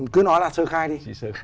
cứ nói là sơ khai đi